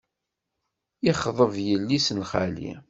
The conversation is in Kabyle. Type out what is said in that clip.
Yexḍeb yelli-s n xali.